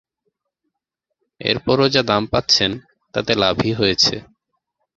এরপরও যা দাম পাচ্ছেন, তাতে লাভই হয়েছে।